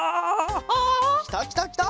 きたきたきた！